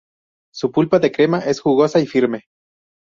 Su pulpa de crema es jugosa y firme.